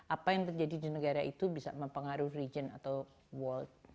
apa yang terjadi di negara itu bisa mempengaruhi region atau world